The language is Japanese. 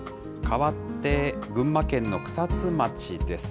かわって群馬県の草津町です。